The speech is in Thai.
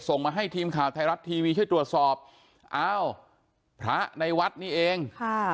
ส่งมาให้ทีมข่าวไทยรัฐทีวีช่วยตรวจสอบอ้าวพระในวัดนี่เองค่ะ